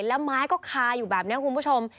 แล้วไม้ก็คาอยู่แบบนี้คุณผู้ชม